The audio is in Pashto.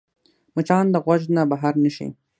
مچان د غوږ نه بهر نه شي